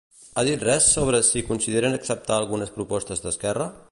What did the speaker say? Ha dit res sobre si consideren acceptar algunes propostes d'Esquerra?